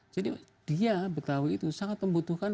jadi dia betawi itu sangat membutuhkan